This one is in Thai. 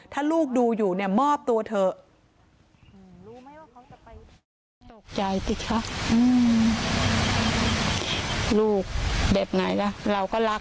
ถ้าลูกดูอยู่เนี่ยมอบตัวเถอะ